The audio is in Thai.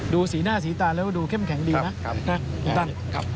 ดูสีหน้าสีตาแล้วดูเข้มแข็งดีนะคุณตัน